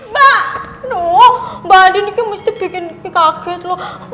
mbak aduh mbak andin ini mesti bikin kaget loh